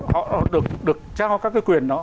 họ được cho các cái quyền đó